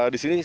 di sini saya